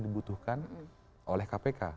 dibutuhkan oleh kpk